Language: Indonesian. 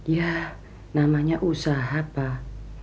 ya namanya usaha pak